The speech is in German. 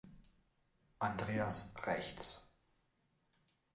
Andreas rechts.